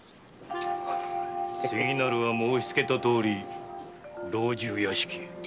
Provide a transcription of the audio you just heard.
次は申しつけたとおり老中屋敷へ。